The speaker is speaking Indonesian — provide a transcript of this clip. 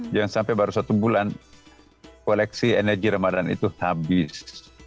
jangan sampai baru satu bulan koleksi energi ramadan itu habis